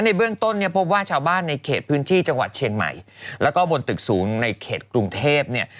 ในเบื้องต้นเนี่ยพบว่าชาวบ้านในเขตพื้นที่จังหวัดเชียงใหม่แล้วก็บนตึกสูงในเขตกรุงเทพเนี่ย